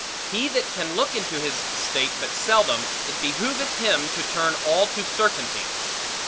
He that can look into his estate but seldom, it behooveth him to turn all to certainties.